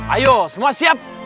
ayo semua siap